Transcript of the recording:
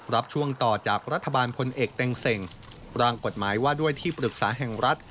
รับช่วงต่อจากรัฐบาลพลเอกเต็งเซ็งร่างกฎหมายว่าด้วยที่ปรึกษาแห่งรัฐ